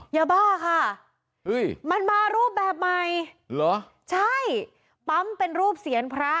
ยาบ้าค่ะมันมารูปแบบใหม่เหรอใช่ปั๊มเป็นรูปเสียนพระ